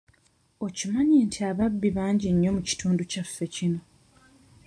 Okimanyi nti ababbi bangi nnyo mu kitundu kyaffe kino?